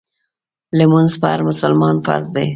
مونځ په هر مسلمان فرض دی